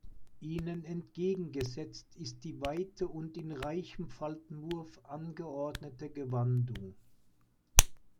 Ihnen entgegengesetzt ist die weite und in reichem Faltenwurf angeordnete Gewandung.